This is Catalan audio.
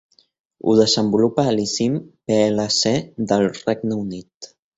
Ho desenvolupa Alizyme PLC del Regne Unit.